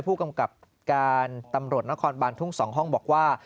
ผู้กำกับการตำรวจนครบานทุ่ง๒ห้องบอกว่า